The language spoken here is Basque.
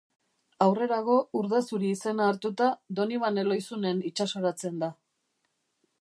Aurrerago, Urdazuri izena hartuta, Donibane Lohizunen itsasoratzen da.